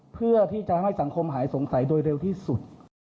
เพื่อที่จะให้สังคมหายสงสัยโดยเร็วที่สุด